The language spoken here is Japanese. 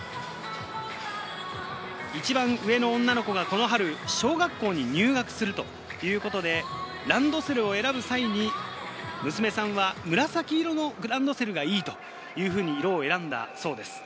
一番上の女の子がこの春、小学校に入学するということで、ランドセルを選ぶ際に、娘さんは紫色のランドセルがいいと色を選んだそうです。